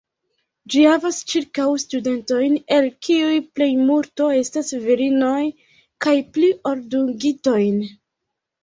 Ĝi havas ĉirkaŭ studentojn, el kiuj plejmulto estas virinoj, kaj pli ol dungitojn.